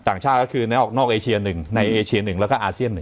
ต่างชาติก็คือนอกเอเชีย๑ในเอเชีย๑แล้วก็อาเซียน๑